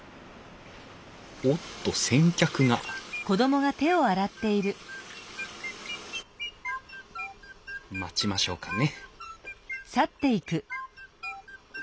おっと先客が待ちましょうかね